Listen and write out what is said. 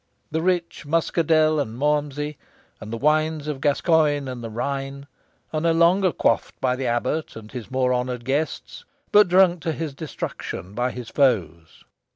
The rich muscadel and malmsey, and the wines of Gascoigne and the Rhine, are no longer quaffed by the abbot and his more honoured guests, but drunk to his destruction by his foes.